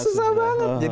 iya susah susah